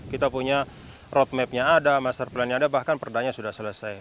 kita punya roadmapnya ada master plan nya ada bahkan perdanya sudah selesai